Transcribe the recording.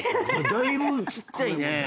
だいぶちっちゃい。